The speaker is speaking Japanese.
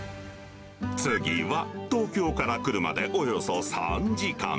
次は、東京から車でおよそ３時間。